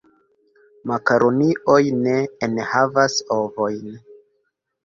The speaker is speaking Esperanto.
Makaronioj ne enhavas ovojn.